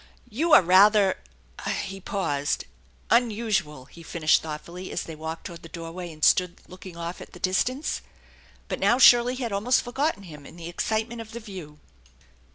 " You are rather " he paused " unusual !" he finished thoughtfully as they walked toward the doorway and stood looking off at the distance. But now Shirley had almost forgotten him in the excite ment of the view.